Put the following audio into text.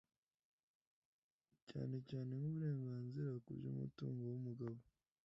cyane cyane nk'uburenganzira ku by'umutungo w'umugabo